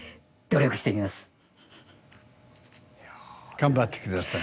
頑張って下さい。